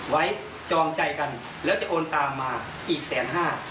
ไว้จองใจกันแล้วจะโอนตามมาอีก๑๕๐๐๐๐บาท